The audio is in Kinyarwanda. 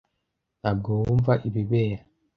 Ntabwo wumva ibibera.